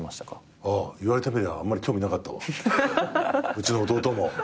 うちの弟も。